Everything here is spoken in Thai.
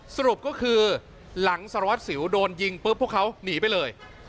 สรุปก็คือหลังสารวัสสิวโดนยิงปุ๊บพวกเขาหนีไปเลย